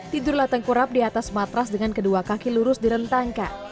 tidurlah tengkurap di atas matras dengan kedua kaki lurus di rentangkan